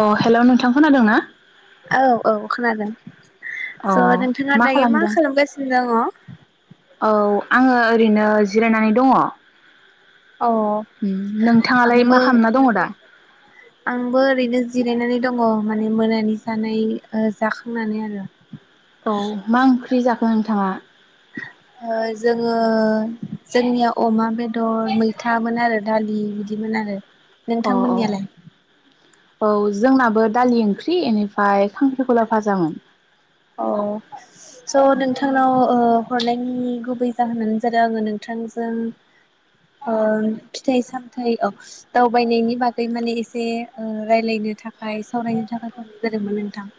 अ hello नोंथां खोनादों ना? औ औ खोनादों। अ स' नोंथाङा दायो मा खालामगासिनो दङ'? औ आङो ओरैनो जिरायनानै दङ'। अ उम नोंथाङालाय मा आंबो खालामना दङ दा? आंबो ओरैनो जिरायनानै दङ' माने मोनानि जानाय ओ जाखांनानै आरो। औ मा ओं ख्रि जाखो नोंथाङा? ओ जोङो जोंनिया अमा बेदर मैथामोन आरो दालि बिदिमोन आरो। अ औ नोंथांमोननियालाय? औ जोंनाबो दालि ओंख्रि इनिफ्राय खांख्रिखला भाजामोन। अ स' नोंथांनाव ओ हरनायनि गुबै जाहोनानो जादों आङो नोंथांजों ओ फिथाइ सामथाइ ओ दावबायनायनि बागै माने एसे ओ रायलायनो थाखाय सावरायनो थाखाय हरनाय जादोंमोन नोंथां।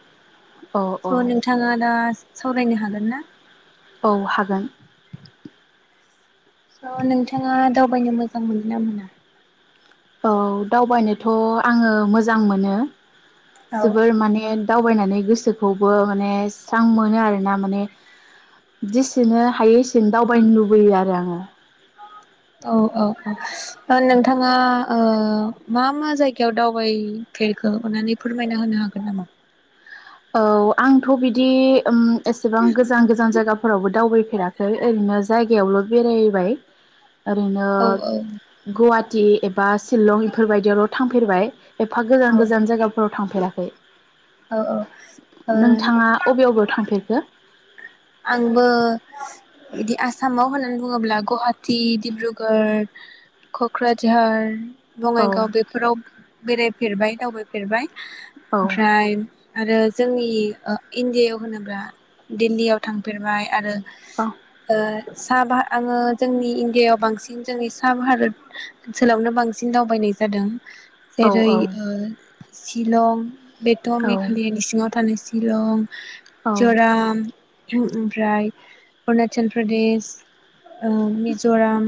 औ औ थ' नोंथाङा दा सावरायनो हागोन ना? औ हागोन। स' नोंथाङा दावबायनो मोजां मोनो ना मोना? औ दावबायनोथ' आङो मोजां मोनो। औ जोबोर माने दावबायनानै गोसोखौबो माने स्रां मोनो आरोना माने जेसेनो हायो एसेनो दावबायनो लुबैयो आरो आङो। औ औ औ। अ नोंथाङा? ओ मा मा जायगायाव दावबायफेरखो अनानै फोरमायना होनो हागोन नामा? औ आंथ' बिदि उम एसेबां गोजान गोजान जायगाफोरावबो दावबायफेराखै ओरैनो जाय गायावल' बेरायबाय। ओरैनो औ गुवा टि एबा सिलं इफोरबायदियावल' थांफेरबाय। एफा औ गोजान गोजान जायगाफोराव थांफेराखै। औ ओ नोंथाङा अबे बबेयाव थांफेरखो? आंबो इदि आसामाव होननानै बुङोब्ला गुवाहाटी, डिब्रुगड़, क'क्राझार, औ बङाइगाव, बेफोराव बेराय फेरबाय दावबायफेरबाय। औ ओमफ्राय आरो जोंनि इण्डियायाव होनोब्ला दिल्लीयाव। थांफेरबाय आरो औ ओ सा बा आङो जोंनि इण्डियायाव बांसिन जोंनि सा भारत ओनसोलावनो बांसिन दावबायनाय जादों। औ जेरै औ ओ शिलं। बेथ' औ मेघालयानि सिङाव थानायसो। शिलं औ मिजराम ओम ओम ओमफ्राय अरुणाचल प्रदेश। ओ मिजराम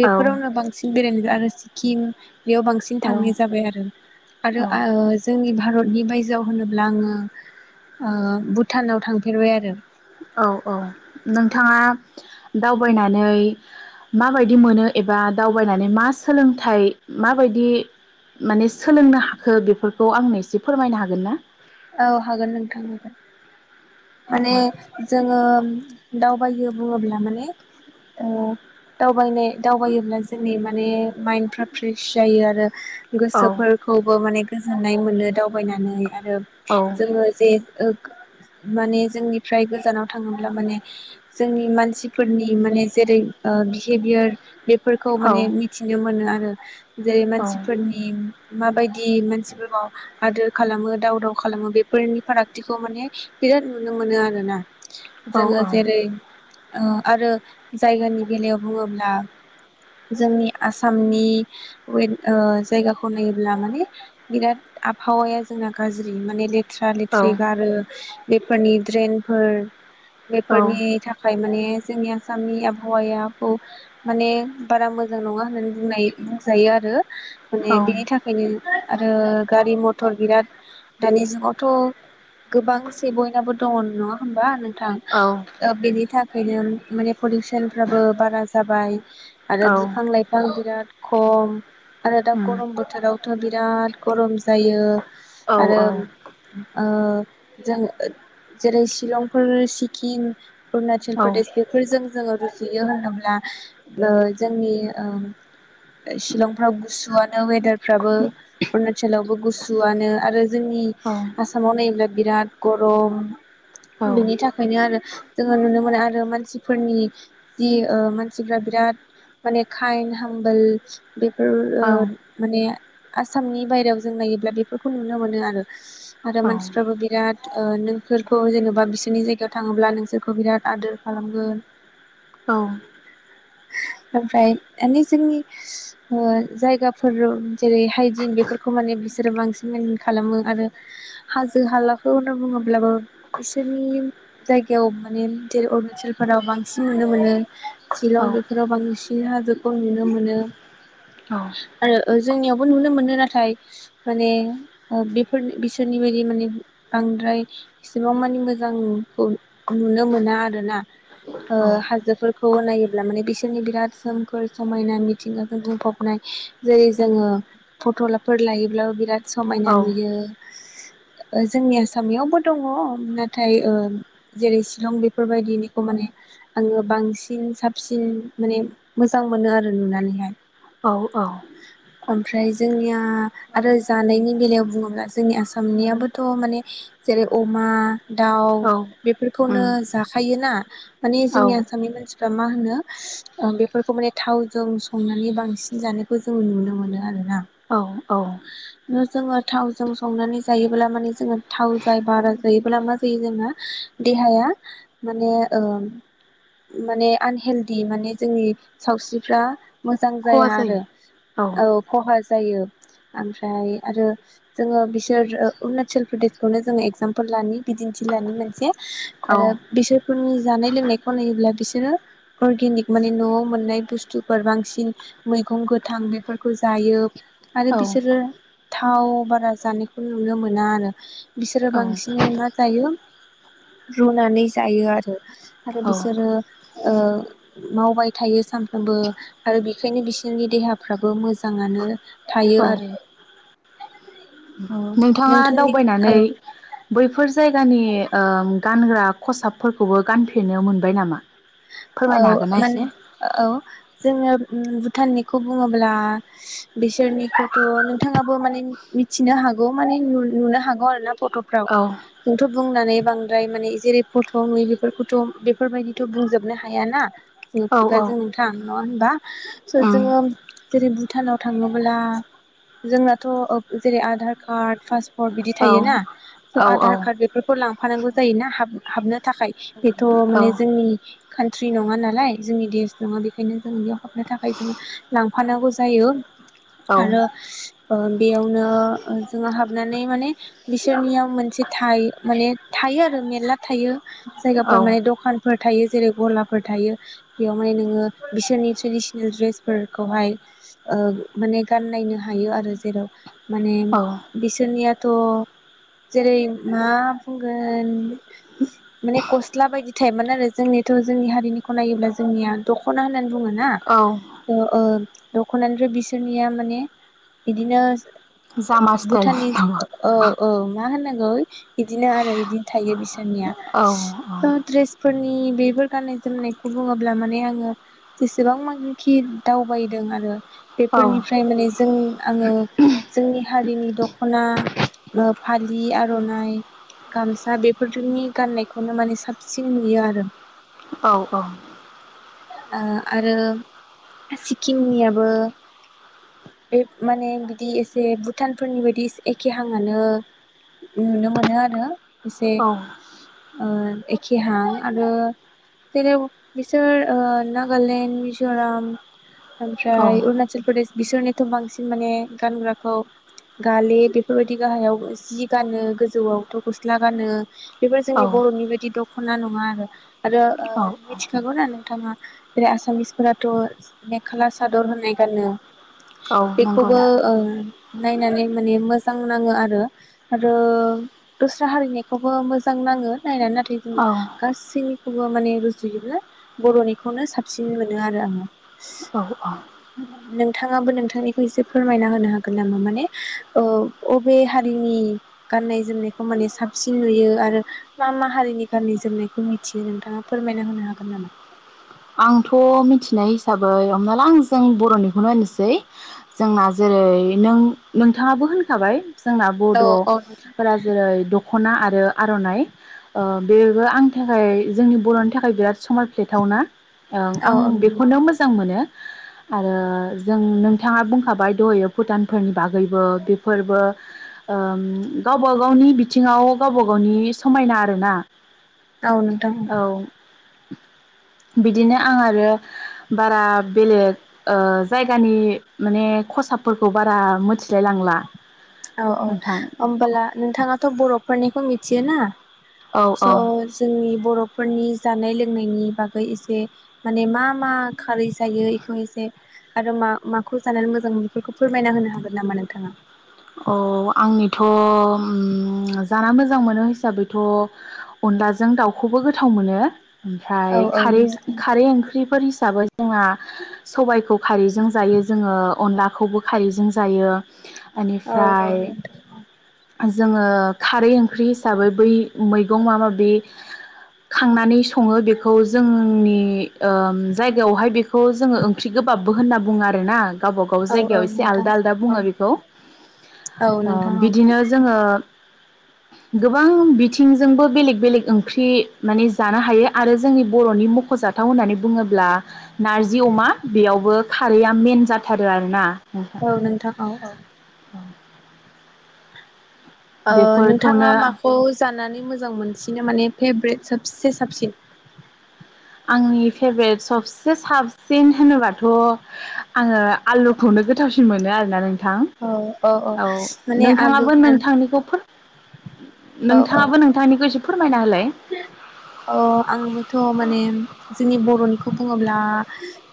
बेफोरावनो बांसिन बेरायनो आरो खिम बेयाव बांसिन थांनाय औ जाबाय आरो औ आरो ओ जोंनि भारतनि बायजोआव होनोब्ला आङो ओ भुटानाव थांफेरबाय आरो। औ औ नोंथाङा दावबायनानै माबायदि मोनो एबा दावबायनानै मा सोलोंथाइ माबायदि माने सोलोंनो हाखो बेफोरखौ आंनो एसे फोरमायनो हागोन ना? औ हागोन नोंथां हागोन। माने जोङो दाव दावबायो बुङोब्ला माने ओ दबायनाय दावबायोब्ला जोंनि माने माइन्डफ्रा फ्रेस जायो आरो। औ गोसोफोरखौबो माने गोजोननाय मोनो दावबायनानै। आरो औ जोङो जे ओ। माने जोंनिफ्राय गोजानाव थाङोब्ला माने जोंनि मानसिफोरनि माने जेरै बिहेभियार। बेफोरखौ औ माने मिथिनो मोनो आरो। [inaudible] जे औ मानसिफोरनि। माबायदि मानसिफोरखौ आदोर खालामो दाव दाव खालामो बेफोरनि फारागथिखौ माने। बिराद नुनो मोनो आरो ना। औ जोङो जेरै। आरो जायगानि बेलायाव बुङोब्ला जोंनि आसामनि जायगाखौ नायोब्ला माने बिराद आबहावाया जोंना गाज्रि माने। लेथ्रा लेथ्रि गारो। बेफोरनि ड्रेनफोर। बेफोरनि थाखाय माने जोंनि आसामनि आबहावायाखौ माने बारा मोजां नङा होननानै बुंनाय बुंजायो आरो। माने बिनि थाखायनो। आरो गारि मथर बिराद दानि जुगावथ गोबां। एसे बयनाबो दङ नङा होनोमबा नों थां औ औ ओ बेनि था खायनो माने पलिउसनफ्राबो बारा जाबाय आरो औ बिफां लाइफां बिराद खम आरो दा उम गरम बोथोरावथ बिराद गरम जायो। औ आरो औ ओ जों जेरै शिलंफोर सिक्किम अरुणाचल औ औ प्रदेश बेफोरजों जोङो रुजुयो होनोब्ला ओ जोंनि ओ सिलंफ्राव गुसुआनो वेदारफ्राबो अरुणाचलावबो गुसुआनो आरो जोंनि औ आसामाव नायोब्ला बिराद गरम बिनि थाखायनो आरो जोङो नुनो मोनो आरो मानसिफोरनि जि ओ मानसिफ्रा बिराद माने काइन्द हामबोल बेफोर ओ माने आसामनि बायेरायाव जों नायोब्ला बेफोरखौ नुनो मोनो आरो आरो मानसिफ्राबो बिराद ओ नोंसोरखौ जेनबा बिसोरनि जायगायाव थाङोब्ला नोंसोरखौ बिराद आदोर खालामगोन। औ ओमफ्राय माने जोंनि ओ जायगाफोराव जेरै हाइजिन बेफोरखौ माने बिसोरो बांसिन मान खालामो आरो हाजो हाला खौ होनना बुङोब्लाबो बिसोरनि जायगायाव माने जेरै अरुणाचलफोराव बांसिन नुनो मोनो। सिलं बेफोराव बांसिन नि हाजोखौ नुनो मोनो। आरो ओ जोंनियावबो नुनो मोनो नाथाय माने ओ बेफोर बिसोरनि बायदि माने बांद्राय इसेबां मानि मोजांखौ नुनो मोना आरोना। ओ हाजोफोर खौ नायोब्ला माने बिसोरनि बिराद सोमखोर समायना मिथिंगाजों बुंफबनाय जेरै जोङो फटफोर लायोब्लाबो बिराद समायना नुयो। ओ जोंनि आसामनियावबो दङ नाथाय ओ जेरै शिलं बेफोरबायदिनिखो माने आङो बांसिन साबसिन माने मोजां मोनो आरो नुनानैहाय। औ औ। ओमफ्राय जोंनिया आरो जानायनि बेलायाव बुङोब्ला जोंनि आसामनियाबोथ' माने जेरै अमा दाउ उम बेफोरखौनो जाखायोना। माने औ जोंनि आसामनि मानसि फोरा मा होनो बेफोरखौ माने थावजों संनानै बांसिन जानाय खौ जों नुनो मोनो आरो। औ औ। जोङो थावजों संनानै जायोब्ला माने जोङो थाव जाय बारा जायोब्ला मा जायो जोंङो देहाया माने ओ माने आनहेलदि माने जोंनि सावस्रिफ्रा मोजां जाया खहा आरो। जायो औ खहा जायो ओमफ्राय आरो जोङो बिसोर अरुणाचल प्रदेशखौनो जोङो एगजामपोल लानि बिदिन्थि लानि मोनसे आरो औ बिसोरफोरनि जानाय लोंनायखौ नायोब्ला बिसोरो अर्गेनिक माने न'आव मोननाय बुस्थुफोर बांसिन मैगं गो थां बेफोरखौ जायो। आरो औ बिसोरो थाव बारा जानायखौ नुनो मोना आरो। बिसोरो बांसिनै मा जायो रुनानै जायो आरो। आरो औ बिसोरो ओ मावबाय थायो सानफ्रोमबो आरो बेखायनो बिसोरनि देहा फ्राबो मोजाङानो थायो औ औ आरो। औ नोंथाङा नोंथांनि दावबायनानै औ बैफोर जायगानि ओ गानग्रा खसाबफोरखौबो गानफिननो मोनबाय नामा? औ फोरमायनो हागोन ना माने एसे औ जोङो भुटाननिखौ बुङोब्ला बैसोरनिखौथ' नोंथांआबो माने मिथिनो हागौ माने नुनो हागौ आरो ना फट'फ्राव औ जोंथ' बुंनानै बां मफ्राय माने जेरै फट' नु बेफोरखौथ' बेफोरबायदिथ' बुंजोब हाबनो हायाना जों औ औ खुगाजों नोंथां नङा होनबा स' उम जोङो जेरै बु भुटानाव थाङोब्ला जोंनाथ' ओद जेरै आधार कार्ड पास बिदि औ थायोना स' औ आधार कार्ड बेफोरखौ लांफानांगौ जायो ना हाब हाबनो थाखाय बेथ' औ माने जोंनि खान्ट्रि नङा नालाय जोंनि देश नङा बेखायनो जों बेयाव हाबनो थाखाय जों लांफानांगौ जायो आरो औ ओ बेयावनो जोङो हाबनानै माने बिसोरनियाव मोनसे थाइ माने थायो आरो मेरला थायो जायगाफोर औ माने दखानफोर थायो जेरै गलाफोर थायो बेयावहाय नोङो बिसोरनि ट्रेडिसनेल ड्रेसफोरखौहाय माने गाननायनो हायो आरो जेराव माने औ बिसोरनिया थ' जेरै मा बुंगोन माने गस्ला बायदि थायोमोन आरो जोंनिथ जोंनि हारिनिखौ नायोब्ला जोंनिया दखना होननानै बुङोना औ ओ दखना आरो बिसोरनिया माने बिदिनो जामा स्टाइल भुटाननि नामा औ औ मा होननांगौ बिदिनो आरो बिदिनो थायो बिसोर निया औ ड्रेसफोर आंनि बेफोर गाननाय जोमनायखौ बुङोब्ला माने आङो जेसेबां मानखि दावबायदों आरो औ बेफोरनिफ्राय माने जों आङो जोंनि हारिनि दखना फालि आरनाइ गामसा बेफोरनि गाननायखौनो माने साबसिन नुयो आरो [unintelligible] औ औ आरो सिक्किमनियाबो बे माने बिदि एसे भुटानफोरनि बायदि एखेहांआनो नुनो मोनो आरो एसे आ एखे हां आरो जेरै बिसोर नागालेण्ड मिजराम औ ओमफ्राय अरुणाचल प्रदेश बिसोरनिथ बांसिन माने गानग्राखौ गाले बेफोरबायदि गाहायाव जि गानो गोजौआवथ गस्ला गानो बेफोर जोंनि औ बर'नि बायदि दखना न मा। [inaudible] आरो ओ औ मिथिखागौ नो बिथाङा जेरै आसामिसफोराथ मेखाला सादर होननाय गानो औ नंगौ बेखौबो ओ नायनानै माने मोजां नाङो आरो आरो दस्रा हारिनिखौबो मोजां नाङो नायनानै नाथाय औ [inaudible] गासैनिखौबो माने रुजुयोब्ला बरनिखौनो साबसिन मोनो आरो आङो। औ औ। नोंथाङाबो नोंथांनिखौ एसे फोरमायना होनो हागोन नामा माने ओ अबे हारिनि गाननाय जोमनायखौ माने साबसिन नुयो आरो मा मा हारिनि गाननाय जोमनायखौ बेखौ मिथियो नोंथाङा फोरमायना होनो हागोन नामा? आंथ मिथिनाय हिसाबै हमना ला आं जों बर'निखौनो होनोसै जोंना जेरै नों नोंथाङाबो होनखाबाय। जोंना औ औ नोंथां बडफोरा जेरै दखना आरो। आरो आरनाइ ओ बेबो आंनि थाखाय जोंनि बर'नि थाखाय बिराद समान फ्लेथावना औ आं औ बेखौनो मोजां मोनो। आरो जों नोंथाङा बुंखाबाय दहायो भुटानफोरनि बागैबो बेफोरबो ओ गावबा गावनि बिथिङाव गावबा गावनि समायना आरो ना। औ नोंथां औ। [inaudible] बिदिनो आं आरो बारा बेलेग ओ जायगानि माने खसाबफोरखौ बारा मिथि औ औ होमबला नोंथाङाथ' बर'फ फोरनिखौ मिथियो ना? औ औ स' जोंनि बर'फ फोरनि जानाय लोंनायनि बागै एसे माने मा मा खारै जायो इखौ एसे आरो मा माखौ जानानै मोजां बेफोरखौ फोरमायना होनो हागोन नामा नोंथाङा? अ आंनि थ' उम जाना मोजां मोनो हिसाबैथ' अनलाजों दाउखौबो गोथाव मोनो। ओमफ्राय औ औ खारैज नोंथां खारै ओंख्रि फोर हिसाबै जोंहा सबायखौ खारैजों जायो जोङो अनला खौबो खारैजों जायो। औ औ इनिफ्राय नोंथां जोङो खारै ओंख्रि हिसाबै बै मैगं मा माबि खांनानै सङो बेखौ जोंनि ओ जायगायावहाय बेखौ जोङो ओंख्रि गोबाबबो होनना बुङो आरोना गावबा गाव औ औ जायगायाव एसे नोंथां आलदा आलदा औ बुङो बेखौ। औ ओ नोंथां औ बिदिनो जोङो गोबां बिथिंजोंबो बेलेग बेलेग ओंख्रि माने जानो हायो आरो जोंनि बर'नि मख'जाथाव होननानै बुङोब्ला नारजि अमा बेयावबो खारैया मेन जाथारो आरोना। नोंथां औ नोंथां औ औ [inaudible] ओ नोंथाङा बेफोरखौनो माखौ जानानै मोजां मोनसिनो माने फेब्रेट सबसे साबसिन आंनि फेभरेट सबसे साबसिन होनोबाथ' आङो आलुखौनो गोथावसिन मोनो आरोना नों थां औ माने आलु नोंथाङाबो होनानै नोंथांनिखौ फोर औ औ नोंथाङाबो नोंथांनिखौ एसे फोरमायना होलाय अ आंबोथ' माने जोंनि बर'निखौ बुङोब्ला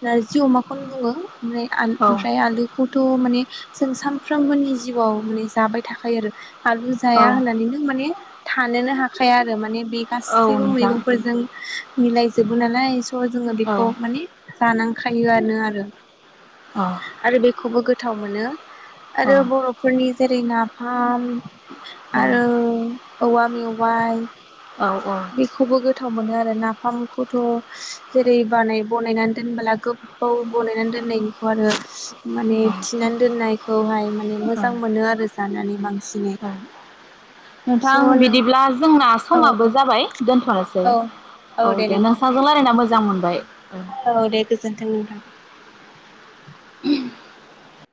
नारजि अमाखौनो बुङो ‌। ओमफ्राय आल औ ओमफ्राय आलुखौथ' माने जों सानफ्रोमबोनि जिउआव माने जाबाय थाखायो आरो। आलु औ जाया होननानैनो माने थानोनो हाखाया आरो माने बे औ गासैबो नोंथां मैगंफोरजों मिलायजोबो नालाय। थ' जोङो औ बेखौ माने जानां खायोआनो आरो ‌। औ आरो बेखौबो गोट थाव मोनो ‌। औ आरो बर'फोरनि जेरै नाफाम औ आरो औवा मेउआइ औ बेखौबो गोथाव मोनो आरोना। फामखौथ' जेरै बानाय बनायनानै दोनबोला गोब बाव बनायनानै दोननायनिखौ आरो माने औ थिनानै दोननायखौहाय माने मोजां औ मोनो आरो जानानै। स्नि नोंथां बिदिब्ला जोंना औ समाबो जाबाय दोनथनोसै औ दे नोंसाजों रायलायना मोजां मोनबाय। औ अरौ दे गोजोनथों नोंथां। [unintelligible]